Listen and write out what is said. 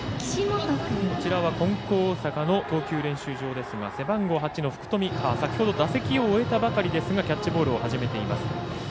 金光大阪の投球練習場ですが背番号８の福冨、先ほど打席を終えたばかりですがキャッチボールを始めています。